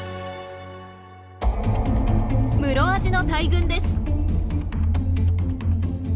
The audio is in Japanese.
ムロアジの大群です。